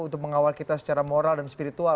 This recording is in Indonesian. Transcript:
untuk mengawal kita secara moral dan spiritual